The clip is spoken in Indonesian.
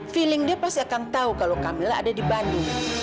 feeling dia pasti akan tahu kalau camilla ada di bandung